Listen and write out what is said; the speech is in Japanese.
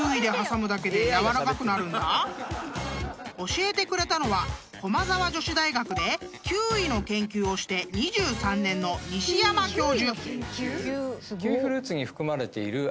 ［教えてくれたのは駒沢女子大学でキウイの研究をして２３年の］へぇ！